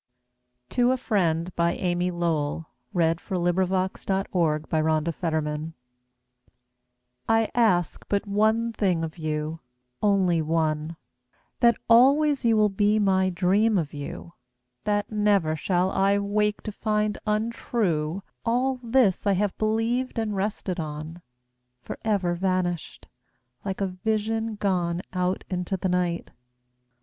o call the other, "friend!" It may be vain illusion. I'm content. To a Friend I ask but one thing of you, only one, That always you will be my dream of you; That never shall I wake to find untrue All this I have believed and rested on, Forever vanished, like a vision gone Out into the night.